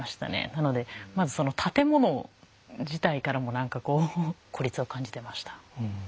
なのでまずその建物自体からも何かこう孤立を感じてました。